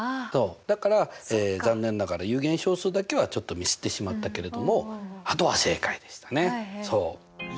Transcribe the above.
だから残念ながら有限小数だけはちょっとミスってしまったけれどもあとは正解でしたね！